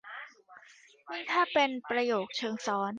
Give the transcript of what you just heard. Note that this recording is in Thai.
ยิ่งถ้าเป็นประโยคเชิงซ้อน